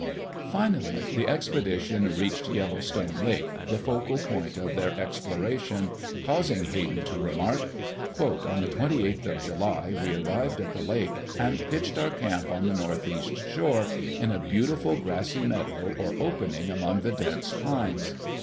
] Finally, the expedition reached Yellowstone Lake, the focal point of their exploration, causing Hayden to remark: "On the 28th of July we arrived at the Lake, and pitched our camp on the northeast shore, in a beautiful grassy meadow or opening among the dense pines.